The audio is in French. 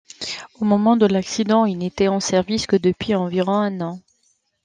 Au moment de l'accident, il n’était en service que depuis environ un an.